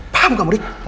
paham kamu rik